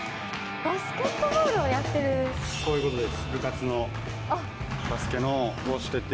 そういうことです。